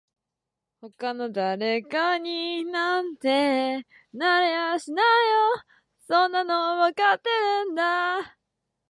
他の誰かになんてなれやしないよそんなのわかってるんだ